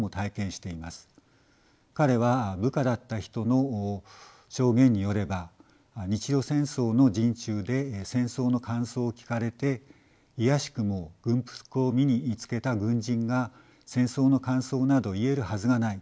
彼は部下だった人の証言によれば日露戦争の陣中で戦争の感想を聞かれて「いやしくも軍服を身に着けた軍人が戦争の感想など言えるはずがない。